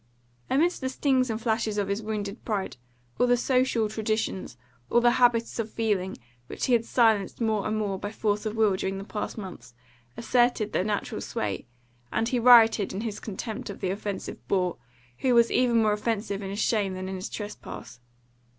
Amidst the stings and flashes of his wounded pride, all the social traditions, all the habits of feeling, which he had silenced more and more by force of will during the past months, asserted their natural sway, and he rioted in his contempt of the offensive boor, who was even more offensive in his shame than in his trespass.